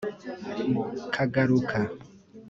Kagaruka